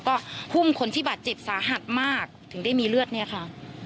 ก็หุ้มคนที่บาดเจ็บสาหัสมากถึงได้มีเลือดเนี่ยค่ะ